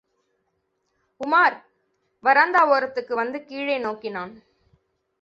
உமார் வராந்தா ஓரத்துக்கு வந்து கீழே நோக்கினான்.